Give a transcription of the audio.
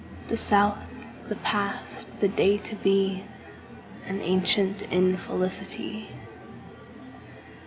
The South, the past, the day to be, An ancient infelicity.